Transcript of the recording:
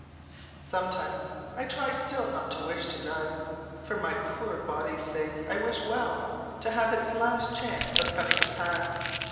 Sometimes I try still not to wish to die. For my poor body's sake I wish Well to have its last chance of coming to pass.